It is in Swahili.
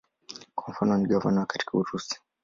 Mfano ni gavana katika Urusi.